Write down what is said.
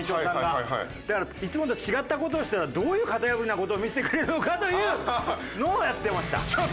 だからいつもと違った事をしたらどういう型破りな事を見せてくれるのかというのをやってました。